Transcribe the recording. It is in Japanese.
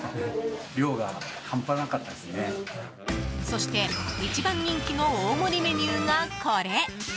そして一番人気の大盛りメニューがこれ。